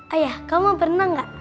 ayah kamu mau berenang gak